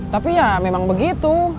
tapi ya memang begitu